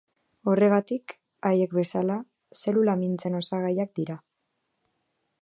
Horregatik, haiek bezala, zelula mintzen osagaiak dira.